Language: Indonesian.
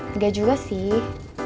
enggak juga sih